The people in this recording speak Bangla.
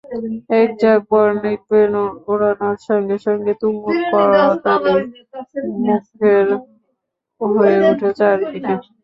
একঝাঁক বর্ণিল বেলুন ওড়ানোর সঙ্গে সঙ্গে তুমুল করতালিতে মুখর হয়ে ওঠে চারদিক।